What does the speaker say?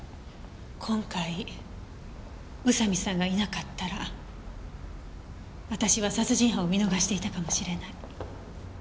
今回宇佐見さんがいなかったら私は殺人犯を見逃していたかもしれない。